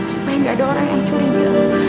supaya nggak ada orang yang curiga